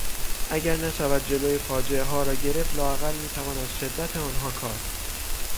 اگر نشود جلو فاجعهها را گرفت لااقل میتوان از شدت آنها کاست.